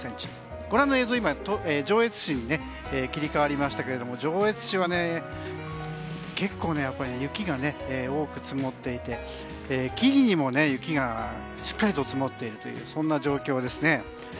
ご覧の映像は上越市に切り替わりましたが上越市は結構、雪が多く積もっていて木々にも雪がしっかりと積もっているというそんな状況ですね。